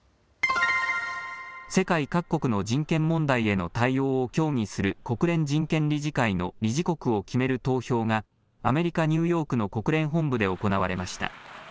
世界各国の人権問題への対応を協議する国連人権理事会の理事国を決める投票がアメリカ・ニューヨークの国連本部で行われました。